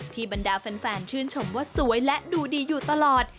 บรรดาแฟนชื่นชมว่าสวยและดูดีอยู่ตลอด